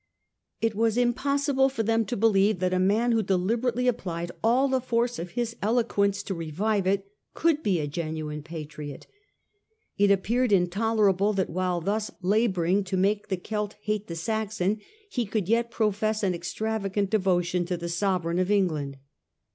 It was impossible for them to believe that a man who deliberately applied all the force of his eloquence to revive it, could be a genuine patriot. It appeared intolerable that while thus labouring to make the Celt hate the Saxon he should yet profess an extravagant devotion to the Sovereign of England.